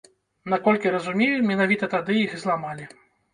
Наколькі разумею, менавіта тады іх і зламалі.